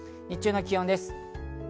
日中の気温です。